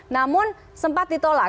namun sempat ditolak